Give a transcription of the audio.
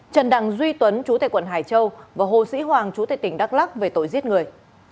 trần đằng duy tuấn chú tại quận hải châu và hồ sĩ hoàng chú tại tỉnh đắk lắc về tội giết người